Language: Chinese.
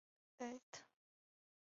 立花家老臣。